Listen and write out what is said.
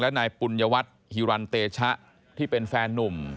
นายปุญญวัตรฮิรันเตชะที่เป็นแฟนนุ่ม